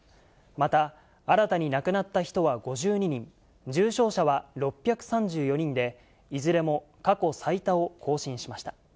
また新たに亡くなった人は５２人、重症者は６３４人でいずれも過去最多を更新しました。